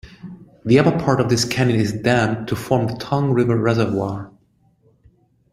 The upper part of this canyon is dammed to form the Tongue River Reservoir.